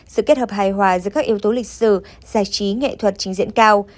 sự kết hợp hài hòa giữa các yếu tố lịch sử giải trí nghệ thuật trình diễn cao